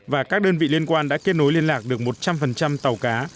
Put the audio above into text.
và các đơn vị liên quan đã kết nối liên lạc được một trăm linh tàu cá